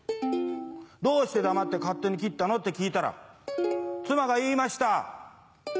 「どうして黙って勝手に切ったの？」って聞いたら妻が言いました。